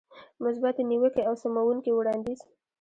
مثبتې نيوکې او سموونکی وړاندیز.